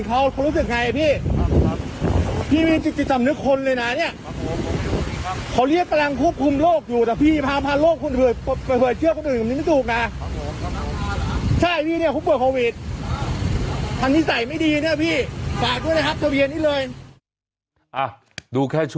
พาโรคไปเผยเชื้อคนอื่นแล้วไม่ถูกนะ